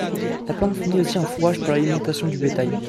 La plante fournit aussi un fourrage pour l'alimentation du bétail.